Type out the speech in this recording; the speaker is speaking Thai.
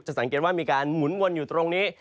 สังเกตว่ามีการหมุนวนอยู่ตรงนี้